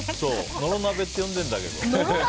野呂鍋って呼んでるんだけど。